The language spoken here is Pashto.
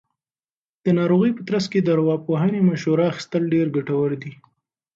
د ناروغۍ په ترڅ کې د ارواپوهنې مشورې اخیستل ډېر ګټور دي.